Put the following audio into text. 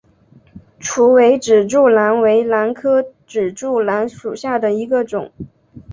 雉尾指柱兰为兰科指柱兰属下的一个种。